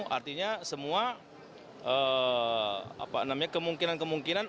artinya semua kemungkinan kemungkinan